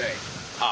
ああ。